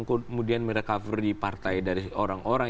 kemudian merecovery partai dari orang orang